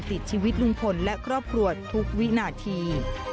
ติดชีวิตลุงพลและครอบครัวทุกวินาที